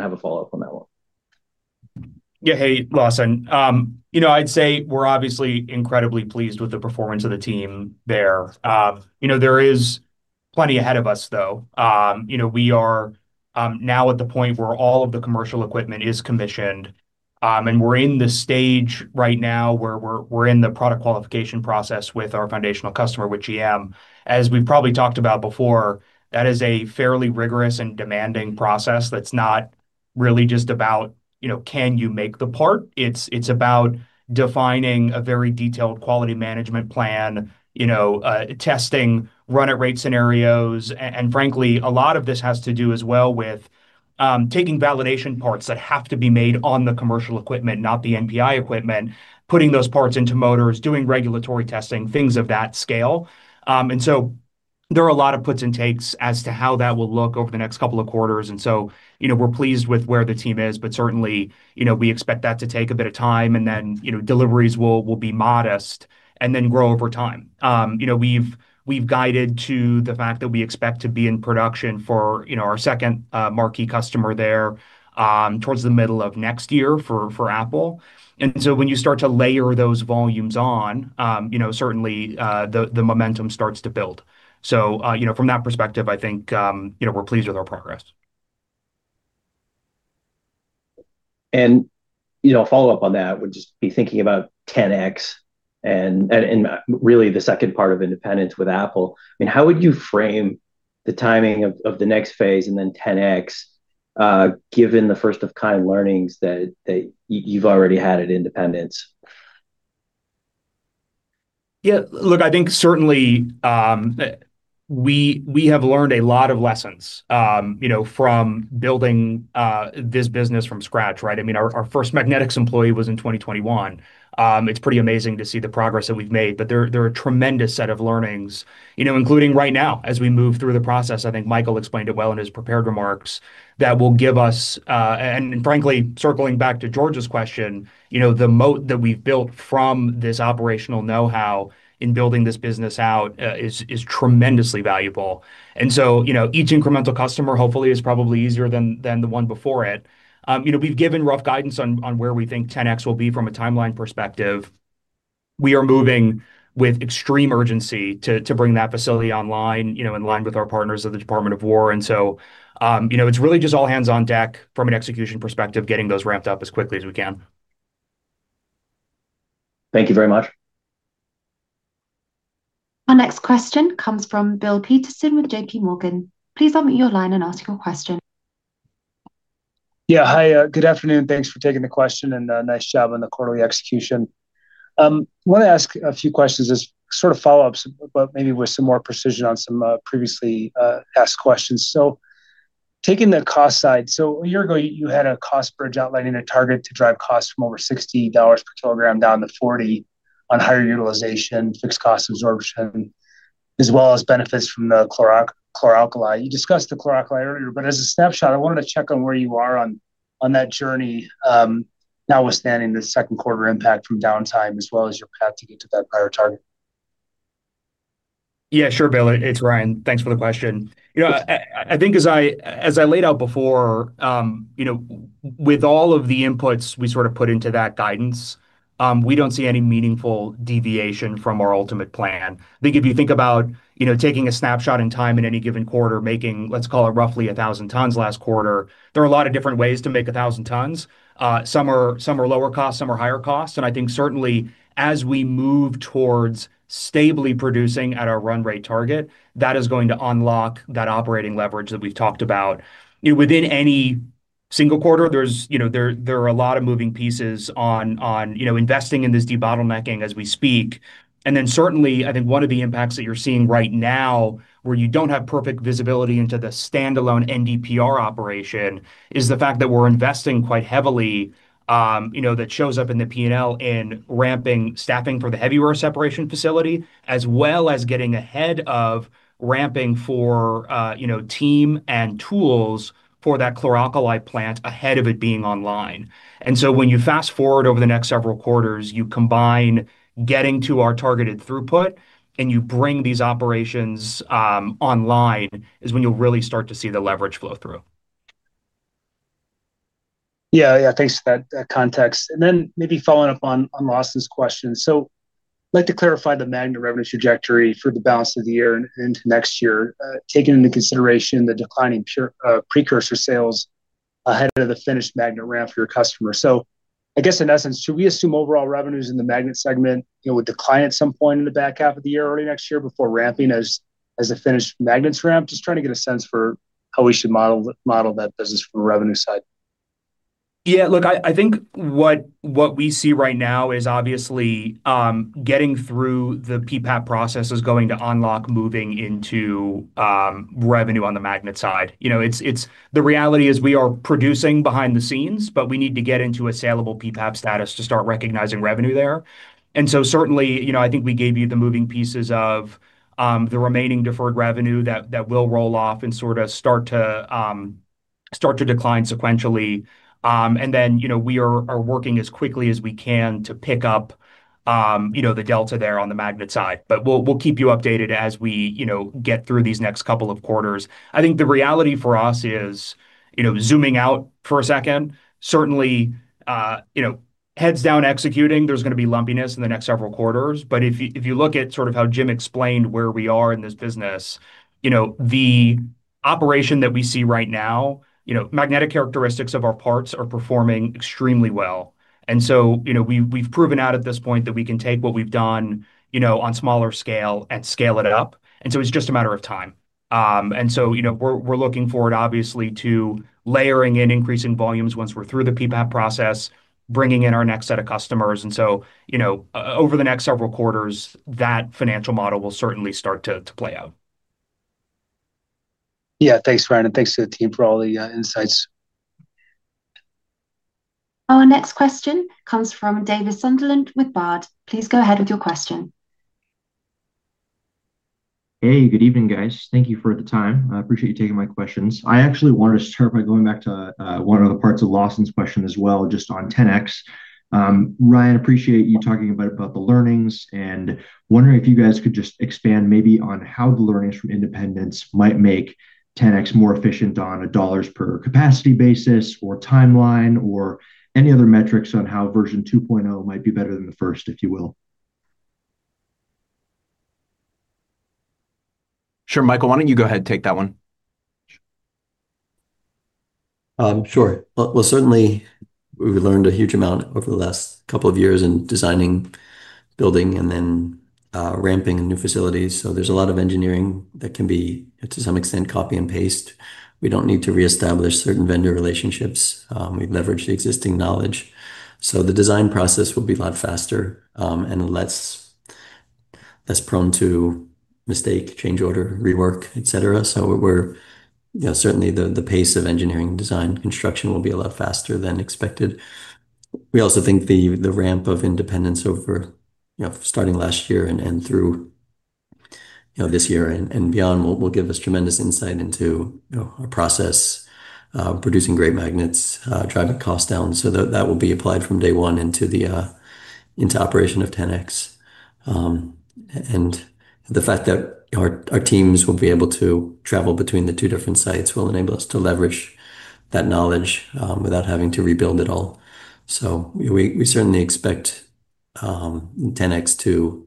have a follow-up on that one. Hey, Lawson. You know, I'd say we're obviously incredibly pleased with the performance of the team there. You know, there is plenty ahead of us though. You know, we are now at the point where all of the commercial equipment is commissioned, and we're in the stage right now where we're in the product qualification process with our foundational customer, with GM. As we've probably talked about before, that is a fairly rigorous and demanding process that's not really just about, you know, can you make the part? It's about defining a very detailed quality management plan, you know, testing run at rate scenarios. Frankly, a lot of this has to do as well with taking validation parts that have to be made on the commercial equipment, not the NPI equipment, putting those parts into motors, doing regulatory testing, things of that scale. There are a lot of puts and takes as to how that will look over the next couple of quarters. You know, we're pleased with where the team is, but certainly, you know, we expect that to take a bit of time and then, you know, deliveries will be modest and then grow over time. You know, we've guided to the fact that we expect to be in production for, you know, our second marquee customer there towards the middle of next year for Apple. When you start to layer those volumes on, you know, certainly, the momentum starts to build. You know, from that perspective, I think, you know, we're pleased with our progress. You know, a follow-up on that would just be thinking about 10X and really the second part of Independence with Apple. I mean, how would you frame the timing of the next phase and then 10X, given the first of kind learnings that you've already had at Independence? Look, I think certainly, we have learned a lot of lessons, you know, from building this business from scratch, right? I mean, our first Magnetics employee was in 2021. It's pretty amazing to see the progress that we've made, but there are a tremendous set of learnings, you know, including right now as we move through the process. I think Michael explained it well in his prepared remarks that will give us, circling back to George Gianarikas's question, you know, the moat that we've built from this operational know-how in building this business out, is tremendously valuable. You know, each incremental customer hopefully is probably easier than the one before it. You know, we've given rough guidance on where we think 10X will be from a timeline perspective. We are moving with extreme urgency to bring that facility online, you know, in line with our partners of the Department of War. You know, it's really just all hands on deck from an execution perspective, getting those ramped up as quickly as we can. Thank you very much. Our next question comes from Bill Peterson with JPMorgan. Please unmute your line and ask your question. Yeah. Hi, good afternoon. Thanks for taking the question, and nice job on the quarterly execution. Wanna ask a few questions as sort of follow-ups, but maybe with some more precision on some previously asked questions. Taking the cost side, a year ago you had a cost bridge outlining a target to drive costs from over $60 per kilogram down to $40 on higher utilization, fixed cost absorption, as well as benefits from the chloralkali. You discussed the chloralkali earlier, as a snapshot, I wanted to check on where you are on that journey, notwithstanding the second quarter impact from downtime as well as your path to get to that prior target. Yeah, sure, Bill. It's Ryan. Thanks for the question. You know, I think as I laid out before, you know, with all of the inputs we sort of put into that guidance, we don't see any meaningful deviation from our ultimate plan. I think if you think about, you know, taking a snapshot in time in any given quarter, making, let's call it roughly 1,000 tons last quarter, there are a lot of different ways to make 1,000 tons. Some are lower cost, some are higher cost, and I think certainly as we move towards stably producing at our run rate target, that is going to unlock that operating leverage that we've talked about. You know, within any single quarter, there's, you know, there are a lot of moving pieces on, you know, investing in this debottlenecking as we speak. Certainly, I think one of the impacts that you're seeing right now where you don't have perfect visibility into the standalone NdPr operation is the fact that we're investing quite heavily, you know, that shows up in the P&L in ramping staffing for the Heavy Rare Earth Separation Facility, as well as getting ahead of ramping for, you know, team and tools for that Chloralkali Plant ahead of it being online. When you fast-forward over the next several quarters, you combine getting to our targeted throughput, and you bring these operations online, is when you'll really start to see the leverage flow through. Yeah, yeah. Thanks for that context. Maybe following up on Lawson's question. Like to clarify the magnet revenue trajectory for the balance of the year and into next year, taking into consideration the declining precursor sales ahead of the finished magnet ramp for your customer. I guess in essence, should we assume overall revenues in the magnet segment, you know, would decline at some point in the back half of the year or early next year before ramping as the finished magnets ramp? Just trying to get a sense for how we should model that business from the revenue side. I think what we see right now is obviously getting through the PPAP process is going to unlock moving into revenue on the magnet side. You know, it's the reality is we are producing behind the scenes, but we need to get into a saleable PPAP status to start recognizing revenue there. Certainly, you know, I think we gave you the moving pieces of the remaining deferred revenue that will roll off and sorta start to start to decline sequentially. Then, you know, we are working as quickly as we can to pick up, you know, the delta there on the magnet side. We'll keep you updated as we, you know, get through these next couple of quarters. I think the reality for us is, you know, zooming out for a second, certainly, you know, heads down executing, there's gonna be lumpiness in the next several quarters. If you look at sort of how Jim explained where we are in this business, you know, the operation that we see right now, you know, magnetic characteristics of our parts are performing extremely well. You know, we've proven out at this point that we can take what we've done, you know, on smaller scale and scale it up. It's just a matter of time. You know, we're looking forward obviously to layering in increasing volumes once we're through the PPAP process, bringing in our next set of customers. You know, over the next several quarters, that financial model will certainly start to play out. Yeah. Thanks, Ryan, and thanks to the team for all the insights. Our next question comes from Davis Sunderland with Baird. Please go ahead with your question. Hey, good evening, guys. Thank you for the time. I appreciate you taking my questions. I actually wanted to start by going back to one of the parts of Lawson's question as well, just on 10X. Ryan, appreciate you talking a bit about the learnings and wondering if you guys could just expand maybe on how the learnings from Independence might make 10X more efficient on dollars per capacity basis or timeline or any other metrics on how version 2.0 might be better than the first, if you will. Sure. Michael, why don't you go ahead and take that one? Sure. Well, certainly we've learned a huge amount over the last couple of years in designing, building, and then ramping new facilities. There's a lot of engineering that can be, to some extent, copy and paste. We don't need to reestablish certain vendor relationships. We've leveraged the existing knowledge. The design process will be a lot faster, and less prone to mistake, change order, rework, et cetera. We're, you know, certainly the pace of engineering design construction will be a lot faster than expected. We also think the ramp of Independence over, you know, starting last year and through, you know, this year and beyond will give us tremendous insight into, you know, a process of producing great magnets, driving costs down. That will be applied from day one into the operation of 10X. The fact that our teams will be able to travel between the two different sites will enable us to leverage that knowledge without having to rebuild it all. We certainly expect 10X to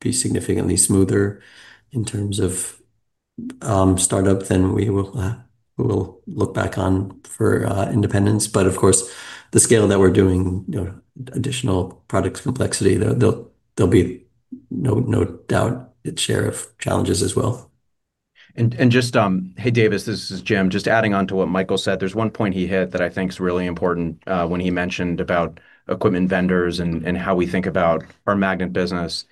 be significantly smoother in terms of startup than we will look back on for Independence. Of course, the scale that we're doing, you know, additional products complexity, there'll be no doubt its share of challenges as well. Hey, Davis, this is Jim. Just adding on to what Michael said. There's one point he hit that I think is really important when he mentioned about equipment vendors and how we think about our magnet business.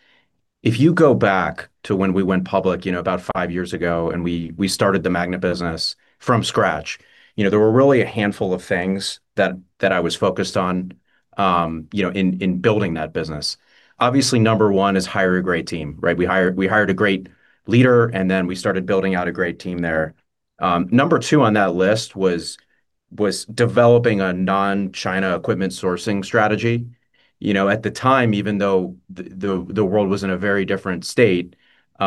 If you go back to when we went public, you know, about five years ago, and we started the magnet business from scratch, you know, there were really a handful of things that I was focused on, you know, in building that business. Obviously, number one is hire a great team, right? We hired a great leader, and then we started building out a great team there. Number two on that list was developing a non-China equipment sourcing strategy. You know, at the time, even though the world was in a very different state, we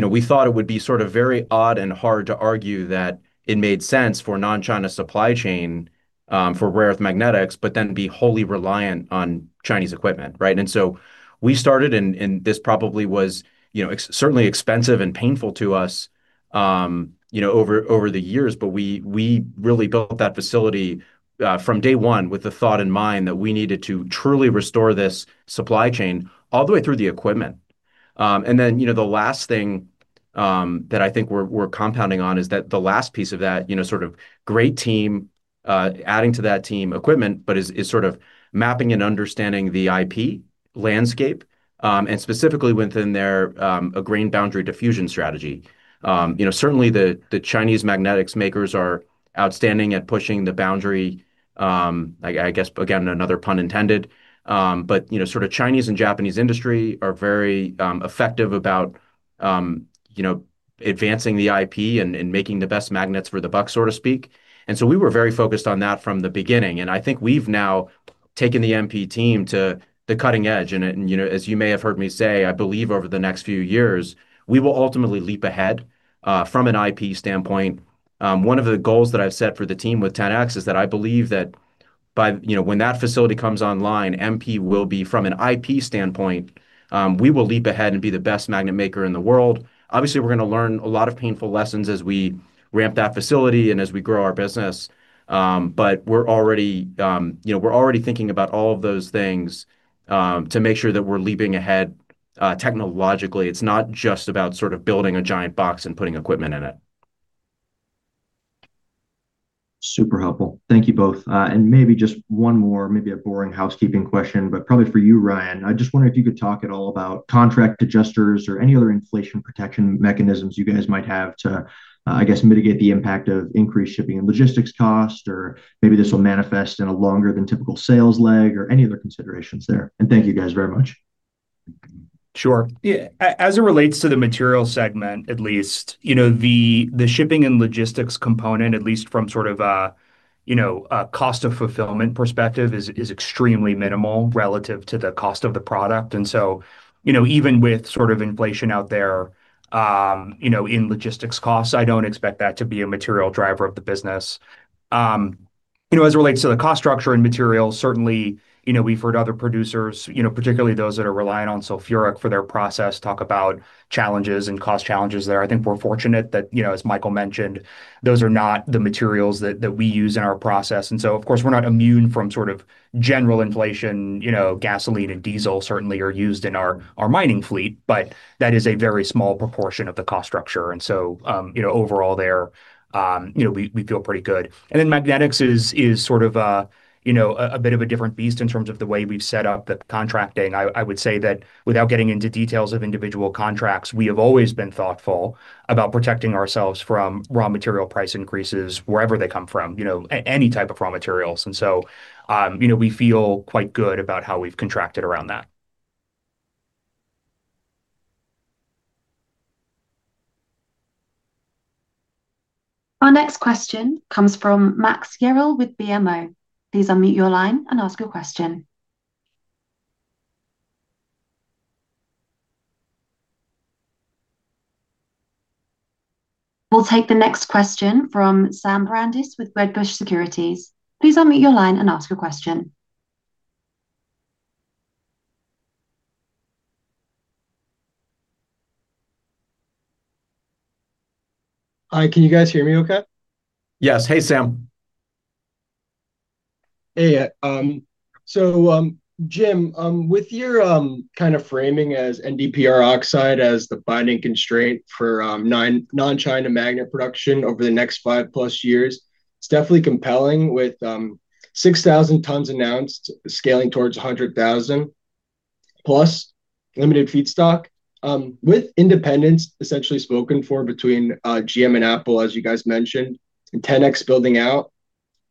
know, we thought it would be sort of very odd and hard to argue that it made sense for non-China supply chain for rare earth magnetics, but then be wholly reliant on Chinese equipment, right? We started, and this probably was, you know, certainly expensive and painful to us, you know, over the years. We really built that facility from day one with the thought in mind that we needed to truly restore this supply chain all the way through the equipment. You know, the last thing, that I think we're compounding on is that the last piece of that, you know, sort of great team, adding to that team equipment, but is sort of mapping and understanding the IP landscape, and specifically within their grain boundary diffusion strategy. You know, certainly the Chinese magnetics makers are outstanding at pushing the boundary, I guess, again, another pun intended. You know, sort of Chinese and Japanese industry are very effective about, you know, advancing the IP and making the best magnets for the buck, so to speak. We were very focused on that from the beginning, and I think we've now taken the MP team to the cutting edge. You know, as you may have heard me say, I believe over the next few years, we will ultimately leap ahead from an IP standpoint. One of the goals that I've set for the team with 10X is that I believe that by, you know, when that facility comes online, MP will be from an IP standpoint, we will leap ahead and be the best magnet maker in the world. Obviously, we're gonna learn a lot of painful lessons as we ramp that facility and as we grow our business. We're already, you know, we're already thinking about all of those things to make sure that we're leaping ahead technologically. It's not just about sort of building a giant box and putting equipment in it. Super helpful. Thank you both. Maybe just one more, maybe a boring housekeeping question, but probably for you, Ryan. I just wonder if you could talk at all about contract adjusters or any other inflation protection mechanisms you guys might have to, I guess mitigate the impact of increased shipping and logistics cost, or maybe this will manifest in a longer than typical sales lag, or any other considerations there. Thank you guys very much. Sure. Yeah, as it relates to the material segment at least, you know, the shipping and logistics component, at least from sort of a, you know, a cost of fulfillment perspective is extremely minimal relative to the cost of the product. You know, even with sort of inflation out there, you know, in logistics costs, I don't expect that to be a material driver of the business. You know, as it relates to the cost structure and materials, certainly, you know, we've heard other producers, you know, particularly those that are relying on sulfuric for their process, talk about challenges and cost challenges there. I think we're fortunate that, you know, as Michael mentioned, those are not the materials that we use in our process. Of course, we're not immune from sort of general inflation. You know, gasoline and diesel certainly are used in our mining fleet, but that is a very small proportion of the cost structure. You know, overall there, you know, we feel pretty good. Magnetics is sort of a, you know, a bit of a different beast in terms of the way we've set up the contracting. I would say that without getting into details of individual contracts, we have always been thoughtful about protecting ourselves from raw material price increases wherever they come from, you know, any type of raw materials. You know, we feel quite good about how we've contracted around that. Our next question comes from Max Yearal with BMO. Please unmute your line and ask your question. We'll take the next question from Sam Brandeis with Wedbush Securities. Please unmute your line and ask your question. Hi. Can you guys hear me okay? Yes. Hey, Sam. Hey. Jim, with your kind of framing as NdPr oxide as the binding constraint for non-China magnet production over the next 5+ years, it's definitely compelling with 6,000 tons announced scaling towards 100,000+ limited feedstock. With Independence essentially spoken for between GM and Apple, as you guys mentioned, and 10X building out,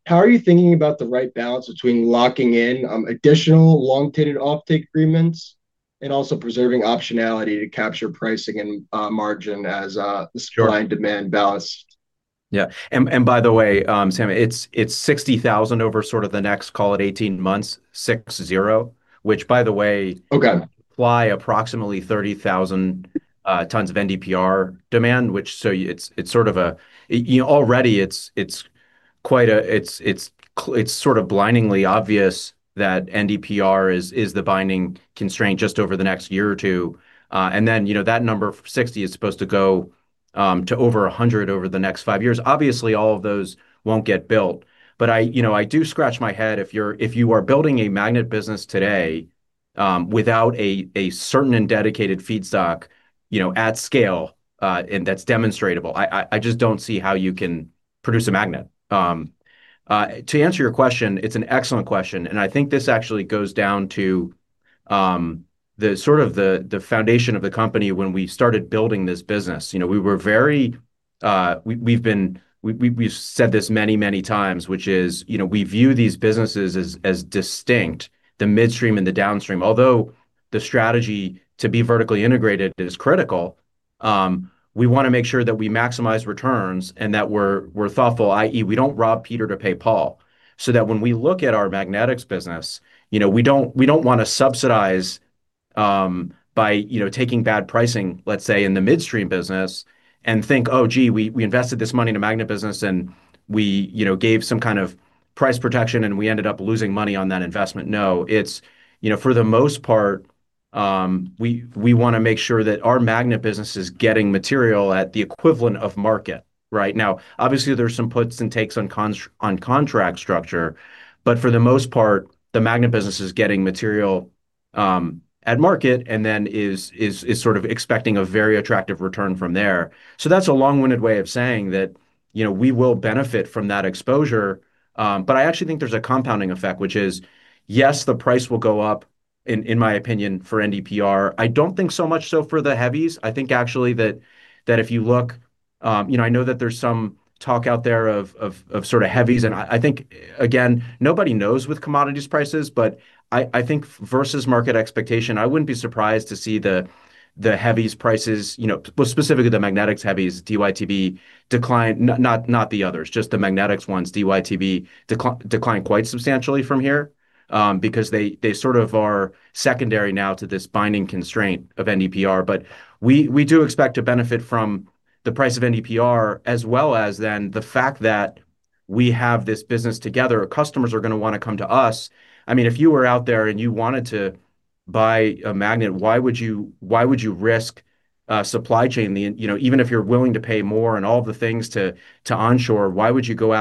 how are you thinking about the right balance between locking in additional long-dated offtake agreements and also preserving optionality to capture pricing and margin as supply and demand balance? Yeah. By the way, Sam, it's 60,000 over sort of the next, call it, 18 months, 60. Okay apply approximately 30,000 tons of NdPr demand, which so it's sort of a you know, already it's quite a It's sort of blindingly obvious that NdPr is the binding constraint just over the next year or two. Then, you know, that number 60 is supposed to go to over 100 over the next five years. Obviously, all of those won't get built. I, you know, I do scratch my head. If you are building a magnet business today, without a certain and dedicated feedstock, you know, at scale, and that's demonstrable, I just don't see how you can produce a magnet. To answer your question, it's an excellent question. I think this actually goes down to the sort of the foundation of the company when we started building this business. You know, we've said this many, many times, which is, you know, we view these businesses as distinct, the midstream and the downstream. Although the strategy to be vertically integrated is critical, we wanna make sure that we maximize returns and that we're thoughtful, i.e., we don't rob Peter to pay Paul. When we look at our magnetics business, you know, we don't, we don't wanna subsidize by, you know, taking bad pricing, let's say, in the midstream business and think, "Oh, gee, we invested this money in the magnet business, and we, you know, gave some kind of price protection, and we ended up losing money on that investment." No. It's, you know, for the most part, we wanna make sure that our magnet business is getting material at the equivalent of market. Right. Obviously, there's some puts and takes on contract structure, but for the most part, the magnet business is getting material at market and then is sort of expecting a very attractive return from there. That's a long-winded way of saying that, you know, we will benefit from that exposure. I actually think there's a compounding effect, which is, yes, the price will go up, in my opinion, for NdPr. I don't think so much so for the heavies. I think actually that if you look, you know, I know that there's some talk out there of sort of heavies, and I think, again, nobody knows with commodities prices. I think versus market expectation, I wouldn't be surprised to see the heavies prices, you know, specifically the magnetics heavies, DyTb decline. Not the others, just the magnetics ones, DyTb decline quite substantially from here, because they sort of are secondary now to this binding constraint of NdPr. We do expect to benefit from the price of NdPr, as well as then the fact that. We have this business together. Our customers are gonna wanna come to us. I mean, if you were out there and you wanted to buy a magnet, why would you risk supply chain? You know, even if you're willing to pay more and all of the things to onshore, why would you go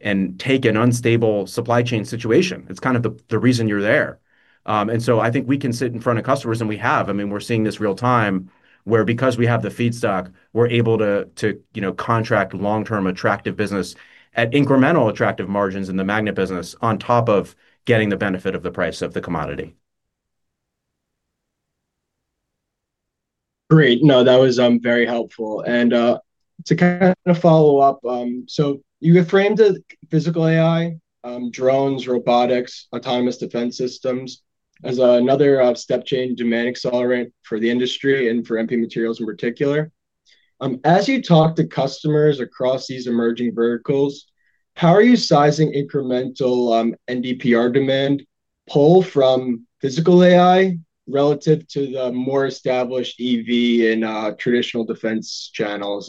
out and take an unstable supply chain situation? It's kind of the reason you're there. I think we can sit in front of customers, and we have. I mean, we're seeing this real time where because we have the feedstock, we're able to, you know, contract long-term attractive business at incremental attractive margins in the magnet business on top of getting the benefit of the price of the commodity. Great. No, that was very helpful. To kind of follow up, so you have framed the physical AI, drones, robotics, autonomous defense systems as another step-change demand accelerant for the industry and for MP Materials in particular. As you talk to customers across these emerging verticals, how are you sizing incremental NdPr demand pull from physical AI relative to the more established EV and traditional defense channels?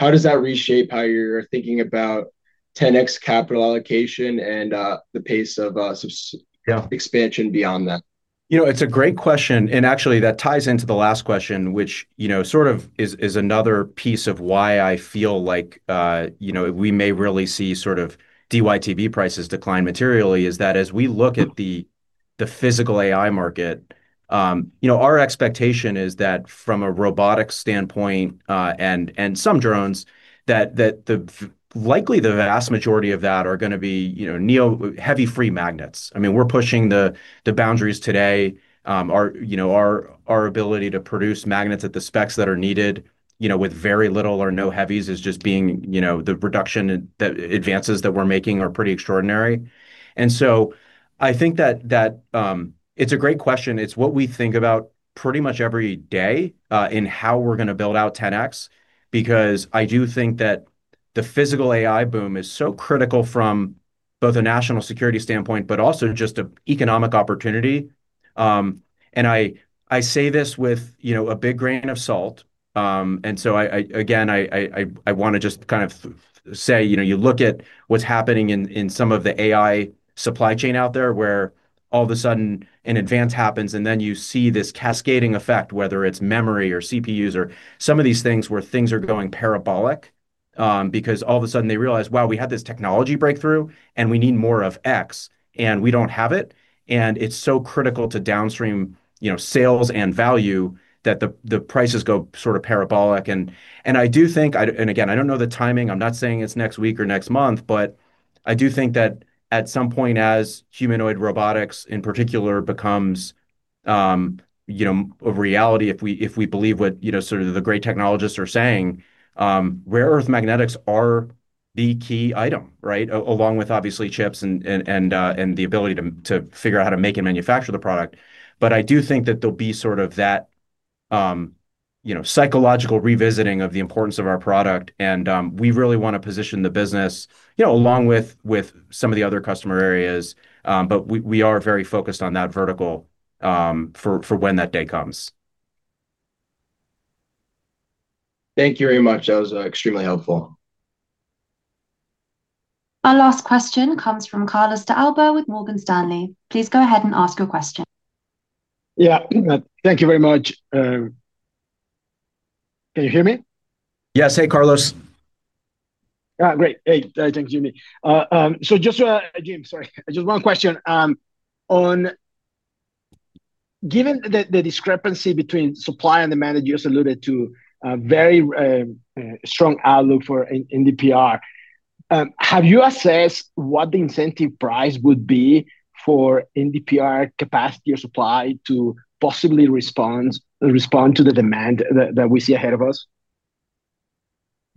How does that reshape how you're thinking about 10X capital allocation and the pace of expansion beyond that? You know, it's a great question, and actually that ties into the last question which, you know, sort of is another piece of why I feel like, you know, we may really see sort of DyTb prices decline materially, is that as we look at the physical AI market, you know, our expectation is that from a robotics standpoint, and some drones that, likely the vast majority of that are gonna be, you know, heavy free magnets. I mean, we're pushing the boundaries today. Our, you know, our ability to produce magnets at the specs that are needed, you know, with very little or no heavies is just being, you know, the reduction that, advances that we're making are pretty extraordinary. I think that, it's a great question. It's what we think about pretty much every day, in how we're gonna build out 10X, because I do think that the physical AI boom is so critical from both a national security standpoint but also just a economic opportunity. I say this with, you know, a big grain of salt. I, again, I wanna just kind of say, you know, you look at what's happening in some of the AI supply chain out there where all of a sudden an advance happens and then you see this cascading effect, whether it's memory or CPUs or some of these things where things are going parabolic, because all of a sudden they realize, "Wow, we had this technology breakthrough, we need more of X, we don't have it." It's so critical to downstream, you know, sales and value that the prices go sort of parabolic. I do think, again, I don't know the timing. I'm not saying it's next week or next month. I do think that at some point as humanoid robotics in particular becomes, you know, a reality if we, if we believe what, you know, sort of the great technologists are saying, rare earth magnetics are the key item, right? Along with obviously chips and the ability to figure out how to make and manufacture the product. I do think that there'll be sort of that, you know, psychological revisiting of the importance of our product and we really wanna position the business, you know, along with some of the other customer areas. We are very focused on that vertical for when that day comes. Thank you very much. That was extremely helpful. Our last question comes from Carlos de Alba with Morgan Stanley. Please go ahead and ask your question. Yeah. Thank you very much. Can you hear me? Yes. Hey, Carlos. Yeah, great. Hey, thank you, Jimmy. Jim, sorry, just one question. On given the discrepancy between supply and demand, you just alluded to a very strong outlook for NdPr. Have you assessed what the incentive price would be for NdPr capacity or supply to possibly respond to the demand that we see ahead of us?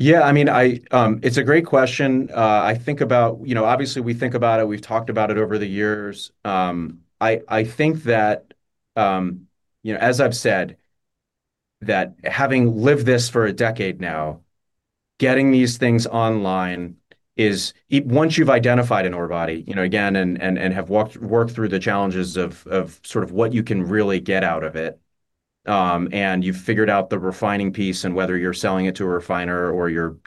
I mean, I, it's a great question. I think about, you know, obviously we think about it. We've talked about it over the years. I think that, you know, as I've said, that having lived this for a decade now, getting these things online is. Once you've identified an ore body, you know, again, and have worked through the challenges of sort of what you can really get out of it, and you've figured out the refining piece and whether you're selling it to a refiner or you're,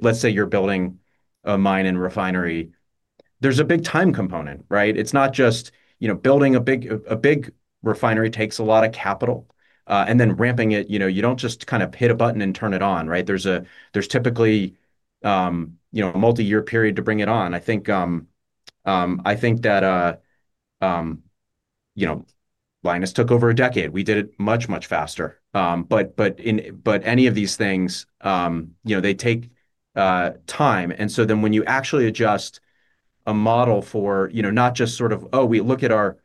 let's say you're building a mine and refinery. There's a big time component, right? It's not just, you know, building a big refinery takes a lot of capital. Ramping it, you know, you don't just kind of hit a button and turn it on, right? There's typically, you know, a multi-year period to bring it on. I think, I think that, you know, Lynas took over a decade. We did it much, much faster. Any of these things, you know, they take time. When you actually adjust a model for, you know, not just sort of, we look at our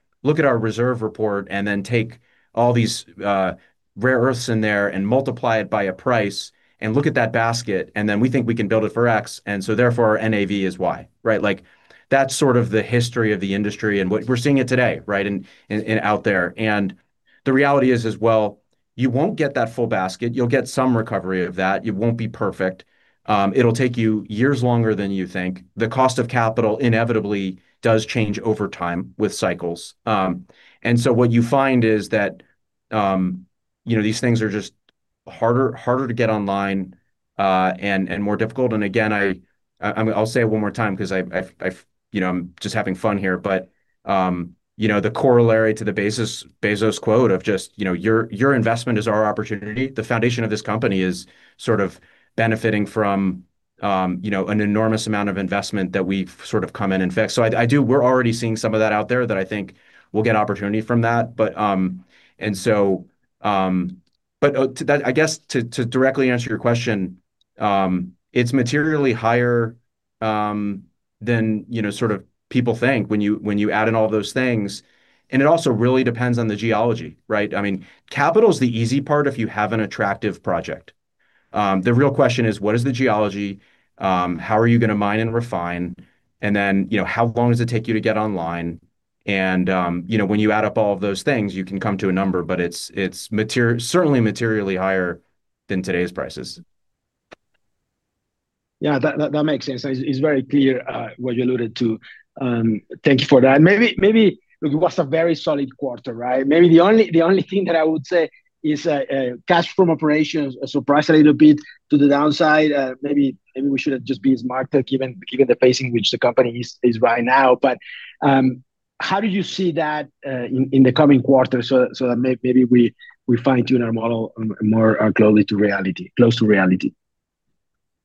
reserve report and then take all these rare earths in there and multiply it by a price and look at that basket, and then we think we can build it for X and so therefore our NAV is Y, right? Like, that's sort of the history of the industry and what we're seeing it today, right, in, out there. The reality is as well you won't get that full basket. You'll get some recovery of that. It won't be perfect. It'll take you years longer than you think. The cost of capital inevitably does change over time with cycles. What you find is that, you know, these things are just harder to get online and more difficult. Again, I'll say it one more time 'cause I've, you know, I'm just having fun here. You know, the corollary to the Bezos quote of just, you know, "Your, your investment is our opportunity," the foundation of this company is sort of benefiting from, you know, an enormous amount of investment that we've sort of come in and fixed. I do. We're already seeing some of that out there that I think we'll get opportunity from that. To that I guess to directly answer your question, it's materially higher than, you know, sort of people think when you add in all those things. It also really depends on the geology, right? I mean, capital's the easy part if you have an attractive project. The real question is what is the geology? How are you gonna mine and refine? Then, you know, how long does it take you to get online? You know, when you add up all of those things, you can come to a number, but it's certainly materially higher than today's prices. Yeah. That makes sense. It's very clear what you alluded to. Thank you for that. Maybe it was a very solid quarter, right? Maybe the only thing that I would say is cash from operations surprised a little bit to the downside. Maybe we should just be smarter given the pacing which the company is right now. How do you see that in the coming quarters so that we fine-tune our model more closely to reality?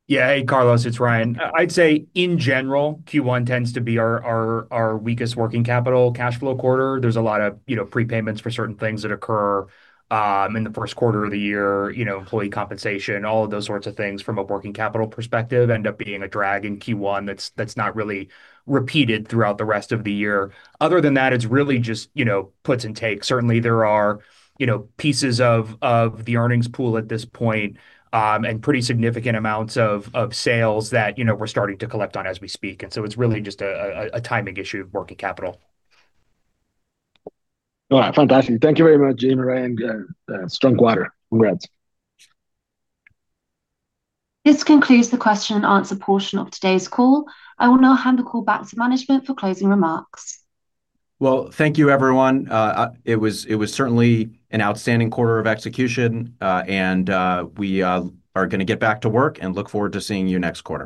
Yeah. Hey, Carlos, it's Ryan. I'd say in general, Q1 tends to be our weakest working capital cash flow quarter. There's a lot of, you know, prepayments for certain things that occur in the first quarter of the year. You know, employee compensation, all of those sorts of things from a working capital perspective end up being a drag in Q1 that's not really repeated throughout the rest of the year. Other than that, it's really just, you know, puts and takes. Certainly, there are, you know, pieces of the earnings pool at this point, and pretty significant amounts of sales that, you know, we're starting to collect on as we speak. It's really just a timing issue of working capital. All right, fantastic. Thank you very much, Jim and Ryan. Strong quarter. Congrats. This concludes the question and answer portion of today's call. I will now hand the call back to management for closing remarks. Well, thank you, everyone. It was certainly an outstanding quarter of execution. We are gonna get back to work and look forward to seeing you next quarter.